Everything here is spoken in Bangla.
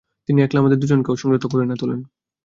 তিনি একলা আমাদের দুজনকে অসংযত করে না তোলেন।